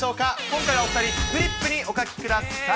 今回はお２人、フリップにお書きください。